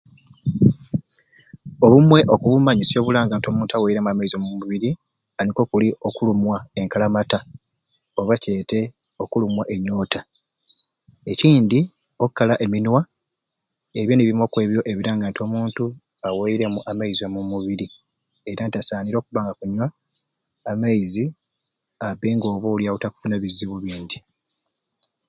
Obumwei oku bumanyisyo obulanga nti omuntu aweiremu amaizi omu mubiri nikwo kuli okulumwa enkalamata oba kyete okulumwa enyoota. Ekindi okukala eminwa ebyo nibyo bimwe okw'ebyo ebiranga nti omuntu aweiremu amaizi omu mubiri yete nti abba asaanire okunywa amaizi abbe nga oba oliawo nga takufuna bizibu bindi.